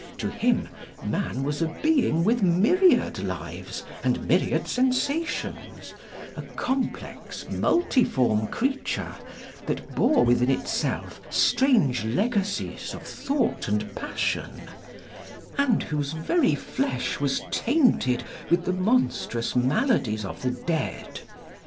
To him, man was a being with myriad lives and myriad sensations, a complex multiform creature that bore within itself strange legacies of thought and passion, and whose very flesh was tainted with the monstrous maladies of the dead.